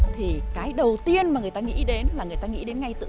thì cái đầu tiên mà người ta nghĩ đến là người ta nghĩ đến tượng gỗ tây nguyên